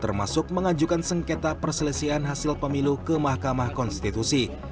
termasuk mengajukan sengketa perselisian hasil pemilu ke mahkamah konstitusi